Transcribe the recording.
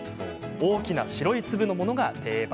大きな白い粒のものが定番。